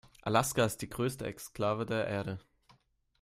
Alaska ist die größte Exklave der Erde.